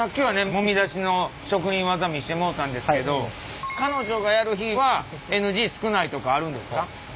もみ出しの職人技見してもろたんですけど彼女がやる日はＮＧ少ないとかあるんですか？